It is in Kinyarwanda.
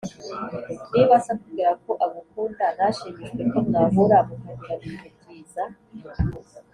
niba se akubwira ko agukunda ntashimishwe ko mwahura mukagirana ibihe byiza